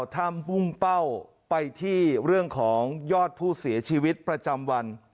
ถ้ำมุ่งเป้าไปที่เรื่องของยอดผู้เสียชีวิตประจำวัน